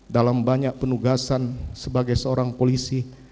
dalam banyak penugasan sebagai seorang polisi